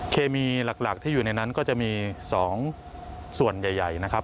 เคมีหลักที่อยู่ในนั้นก็จะมี๒ส่วนใหญ่นะครับ